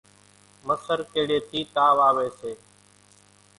مسر ڪيڙيئيَ ٿِي تاوَ آويَ سي۔